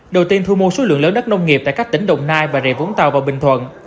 đầu tiên thu mua số lượng lớn đất nông nghiệp tại các tỉnh đồng nai bà rịa vũng tàu và bình thuận